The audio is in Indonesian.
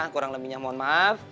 kurang lebihnya mohon maaf